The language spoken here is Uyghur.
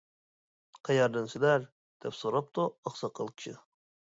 قەيەردىن سىلەر؟ دەپ سوراپتۇ ئاقساقال كىشى.